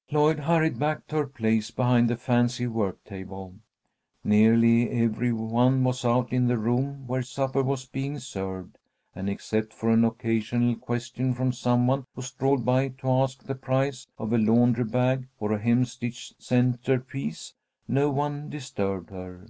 '" Lloyd hurried back to her place behind the fancy work table. Nearly every one was out in the room where supper was being served, and except for an occasional question from some one who strolled by to ask the price of a laundry bag or a hemstitched centrepiece, no one disturbed her.